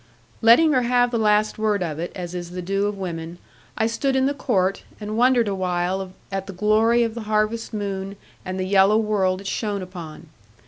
Letting her have the last word of it (as is the due of women) I stood in the court, and wondered awhile at the glory of the harvest moon, and the yellow world it shone upon.